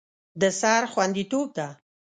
د سر خوندیتوب ده.